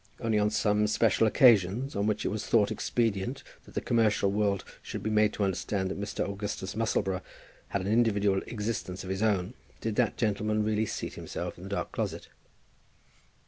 Only on some special occasions, on which it was thought expedient that the commercial world should be made to understand that Mr. Augustus Musselboro had an individual existence of his own, did that gentleman really seat himself in the dark closet.